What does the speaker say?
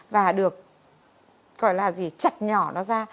và được gọi là gì chặt nhỏ nó ra